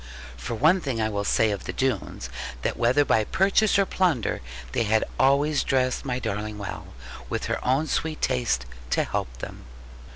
For one thing I will say of the Doones, that whether by purchase or plunder, they had always dressed my darling well, with her own sweet taste to help them.